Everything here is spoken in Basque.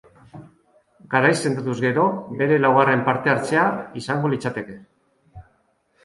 Garaiz sendatuz gero, bere laugarren parte-hartzea izango litzateke.